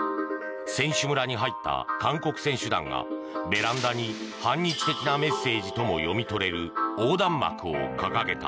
選手村に入った韓国選手団がベランダに反日的なメッセージとも読み取れる横断幕を掲げた。